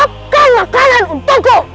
siapkan makanan untukku